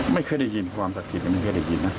ไม่เคยได้ยินความศักดิ์สิทธิ์ไม่เคยได้ยินนะ